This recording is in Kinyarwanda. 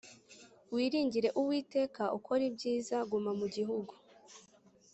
Wiringire Uwiteka ukore ibyiza Guma mu gihugu